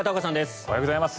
おはようございます。